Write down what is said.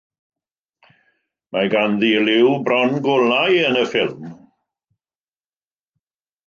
Mae ganddi liw bron golau yn y ffilm.